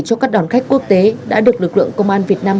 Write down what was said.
cho các đoàn khách quốc tế đã được lực lượng công an việt nam